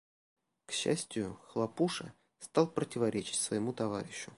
К счастию, Хлопуша стал противоречить своему товарищу.